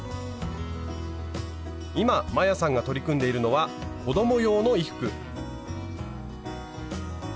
今摩耶さんが取り組んでいるのは子供用の衣服。